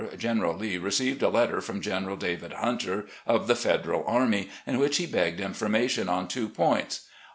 General Lee received a letter from General David Hunter, of the Federal Army, in which he begged information on two points: " 1.